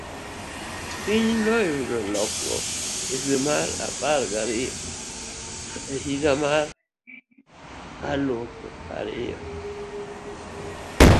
Piny noyudo lokruok e dwe mar apar kod ariyo higa mar elufu ariyo.